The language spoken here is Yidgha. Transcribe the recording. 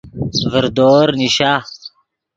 ڤردور نیشا